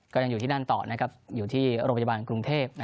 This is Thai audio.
ก็ยังอยู่ที่นั่นต่ออยู่ที่โรงพยาบาลกรุงเทพ